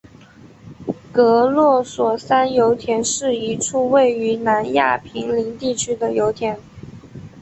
格罗索山油田是一处位于南亚平宁地区的油田。